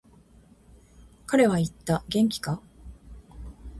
彼は言った、元気か。